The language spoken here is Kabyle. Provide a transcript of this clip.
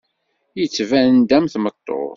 Yettban-d am tmeṭṭut.